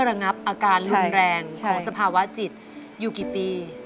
ระงับใช่ใช่อยู่กี่ปี